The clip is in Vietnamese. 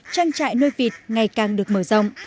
trang trại nuôi vịt ngày càng được mở rộng